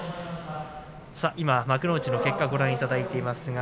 幕内の結果をご覧いただいています。